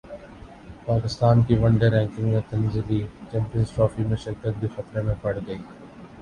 پاکستان کی one day ranking میں تنزلی چیمپئنز ٹرافی میں شرکت بھی خطرے میں پڑگئی